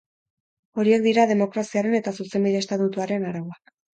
Horiek dira demokraziaren eta zuzenbide estatuaren arauak.